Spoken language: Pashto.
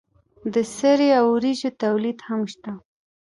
د سرې او وریجو تولید هم شته.